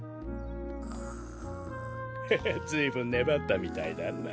ググ。へへずいぶんねばったみたいだな。